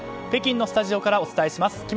北京のスタジオからお伝えします。